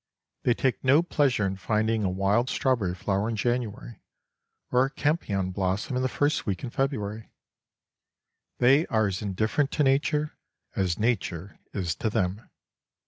They take no pleasure in finding a wild strawberry flower in January or a campion blossom in the first week in February. They are as indifferent to Nature as Nature is to them.